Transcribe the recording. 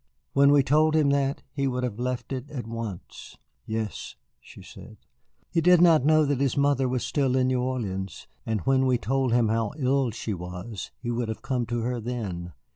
When we told him that, he would have left it at once." "Yes," she said. "He did not know that his mother was still in New Orleans. And when we told him how ill she was he would have come to her then.